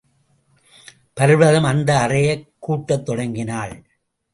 பர்வதம் அந்த அறையைக் கூட்டத் தொடங்கினாள்.